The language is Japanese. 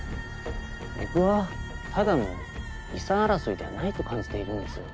僕はただの遺産争いではないと感じているんですよ。